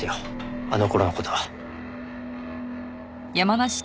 あの頃の事は。